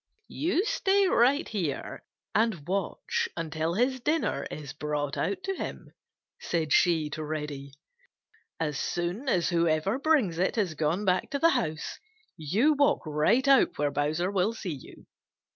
"You stay right here and watch until his dinner is brought out to him," said she to Reddy. "As soon as whoever brings it has gone back to the house you walk right out where Bowser will see you.